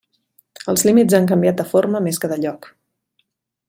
Els límits han canviat de forma més que de lloc.